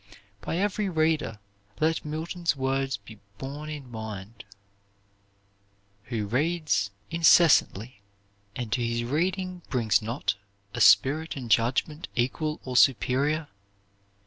By every reader let Milton's words be borne in mind: "Who reads Incessantly, and to his reading brings not A spirit and judgment equal or superior